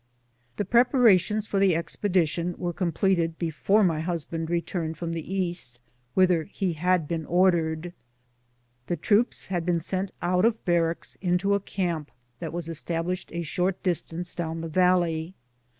The preparations for the expedition were completed before my husband returned from the East, whither he had been ordered. The troops had been sent out of barracks into a camp that was established a short dis tance down the valley.